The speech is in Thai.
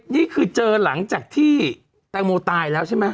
นี่คือเจอหลังจากที่แตงโมตายแล้วใช่ไหม